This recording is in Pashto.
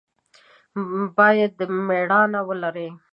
باید دا مېړانه ولري.